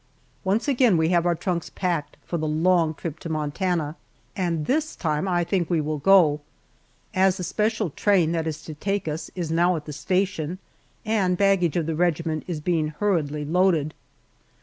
ONCE again we have our trunks packed for the long trip to Montana, and this time I think we will go, as the special train that is to take us is now at the station, and baggage of the regiment is being hurriedly loaded.